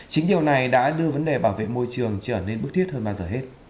chính điều này đã đưa vấn đề bảo vệ môi trường trở nên bất kỳ